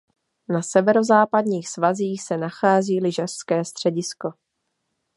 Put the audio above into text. Na severozápadních svazích se nachází lyžařské středisko.